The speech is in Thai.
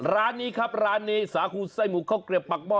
ร้านนี้ครับร้านนี้สาคูไส้หมูข้าวเกลียบปากหม้อ